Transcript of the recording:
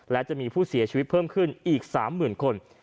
และจะมีผู้เสียชีวิตเพิ่มขึ้นอีก๓๐๐๐คน